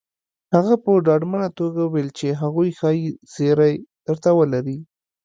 هغه په ډاډمنه توګه وويل چې هغوی ښايي زيری درته ولري